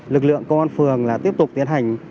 lực lượng công an phường là tiếp tục tiến hành